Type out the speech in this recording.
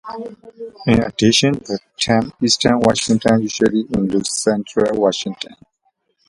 In addition, the term Eastern Washington usually includes Central Washington.